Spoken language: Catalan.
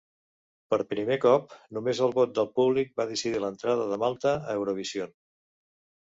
Per primer cop, només el vot del públic va decidir l'entrada de Malta a Eurovision.